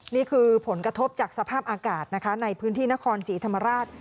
นี่คือผลกระทบจากสภาพอากาศนะคะในพื้นที่นครศรีธรรมราช